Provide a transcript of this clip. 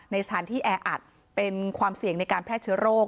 ในสถานที่แออัดเป็นความเสี่ยงในการแพร่เชื้อโรค